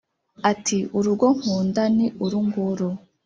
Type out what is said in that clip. ati : urugo nkunda ni uru nguru